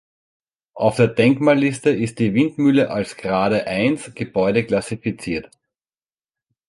Auf der Denkmalliste ist die Windmühle als Grade-I-Gebäude klassifiziert.